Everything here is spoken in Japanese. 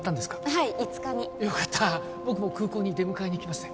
はい５日によかった僕も空港に出迎えに行きますね